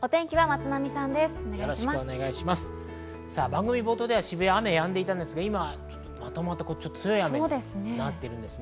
番組冒頭では渋谷は雨やんでいたんですが、今まとまった強い雨になっています。